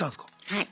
はい。